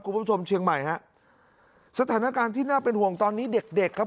คุณผู้ชมเชียงใหม่ฮะสถานการณ์ที่น่าเป็นห่วงตอนนี้เด็กเด็กครับ